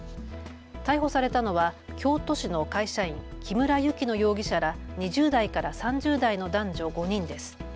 逮捕されたのは京都市の会社員、木村雪乃容疑者ら２０代から３０代の男女５人です。